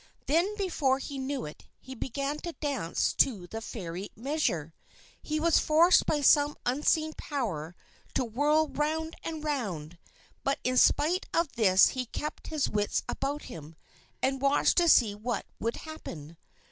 Then before he knew it, he began to dance to the Fairy measure. He was forced by some unseen power to whirl round and round; but in spite of this he kept his wits about him, and watched to see what would happen.